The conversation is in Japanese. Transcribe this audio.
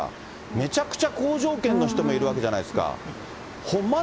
めちゃくちゃ好条件の人もいるわけじゃないですか。